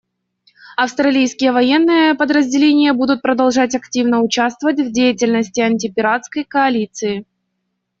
Австралийские военные подразделения будут продолжать активно участвовать в деятельности антипиратской коалиции.